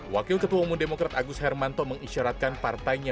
wakil ketua umum demokrat agus hermanto mengisyaratkan partainya